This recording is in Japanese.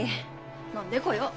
飲んでこよう。